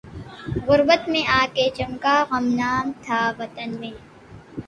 غربت میں آ کے چمکا گمنام تھا وطن میں